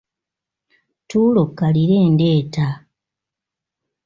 Tuula okkalire ndeeta.